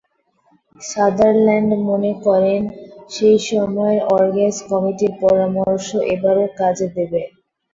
Sutherland মনে করেন, সেই সময়ের অর্গাস কমিটির পরামর্শ এবারও কাজে দেবে।